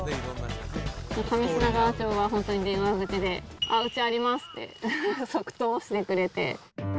上砂川町は本当に電話口で、あっ、うちありますって即答してくれて。